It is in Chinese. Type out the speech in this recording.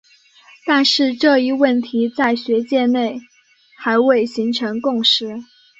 但是这一问题在学界内还未形成共识。